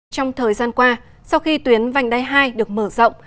trong thời gian qua sau khi tuyến vành đai hai được mở rộng